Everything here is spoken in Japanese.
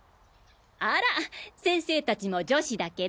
あら先生達も女子だけど。